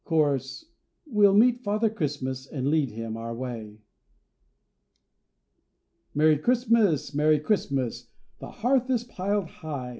Cho.—We'll meet Father Christmas, and lead him our way. Merry Christmas! Merry Christmas! the hearth is piled high.